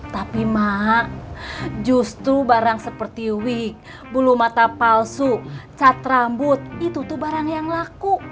tapi mak justru barang seperti wig bulu mata palsu cat rambut itu tuh barang yang laku